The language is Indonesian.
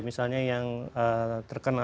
misalnya yang terkena